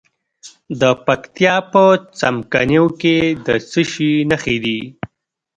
د پکتیا په څمکنیو کې د څه شي نښې دي؟